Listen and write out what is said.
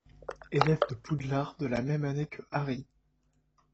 Élève de Poudlard de la même année que Harry.